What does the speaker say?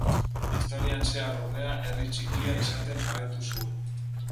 Historian zehar ordea herri txikia izaten jarraitu zuen.